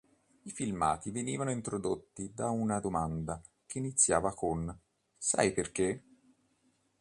I filmati venivano introdotti da una domanda che iniziava con "Sai perché?